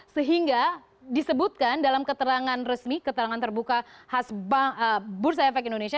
sehingga disebutkan dalam keterangan resmi keterangan terbuka khas bursa efek indonesia